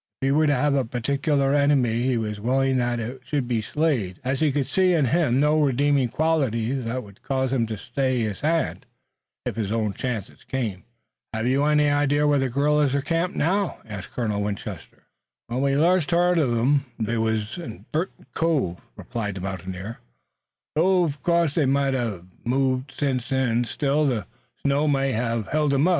If he were to have a particular enemy he was willing that it should be Slade, as he could see in him no redeeming quality that would cause him to stay his hand, if his own chance came. "Have you any idea where the guerrillas are camped now?" asked Colonel Winchester. "When we last heard uv 'em they wuz in Burton's Cove," replied the mountaineer, "though uv course they may hev moved sence then. Still, the snow may hev held 'em.